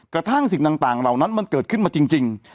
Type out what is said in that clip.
กระทั่งสิ่งต่างเหล่านั้นมันเกิดขึ้นมาจริง